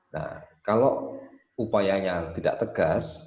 nah kalau upayanya tidak tegas